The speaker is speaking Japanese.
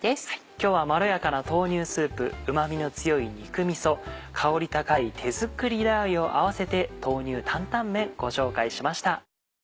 今日はまろやかな豆乳スープうまみの強い肉みそ香り高い「手作りラー油」を合わせて「豆乳担々麺」ご紹介しました。